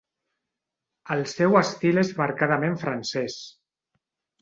El seu estil és marcadament francès.